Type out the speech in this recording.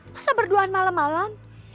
masa berduaan malam malam